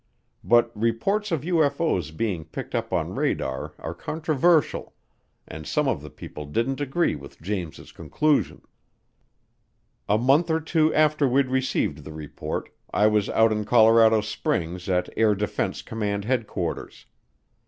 But reports of UFO's' being picked up on radar are controversial, and some of the people didn't agree with James's conclusion. A month or two after we'd received the report, I was out in Colorado Springs at Air Defense Command Headquarters.